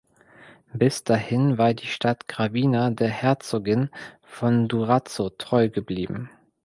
Bis dahin war die Stadt Gravina der Herzogin von Durazzo treu geblieben.